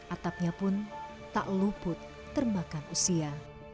atapnya pun tak luput termakan usia